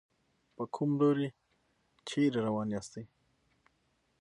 په کوم لوري چېرې روان ياستئ.